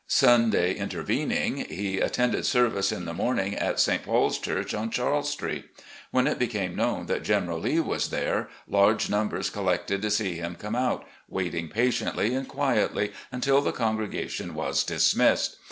Simday intervening, he attended service in the morning at St. Paul's church on Charles Street. When it became known that General Lee was there, large numbers collected to see him come out, waiting patiently and quietly until the congregation was dismissed.